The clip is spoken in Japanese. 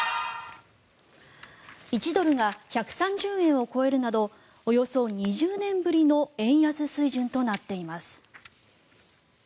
１ドルが１３０円を超えるなどおよそ２０年ぶりの円安水準となっています。